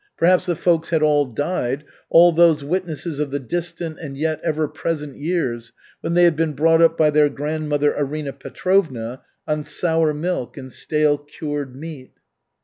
Perhaps the folks had all died, all those witnesses of the distant and yet ever present years, when they had been brought up by their grandmother, Arina Petrovna, on sour milk and stale cured meat.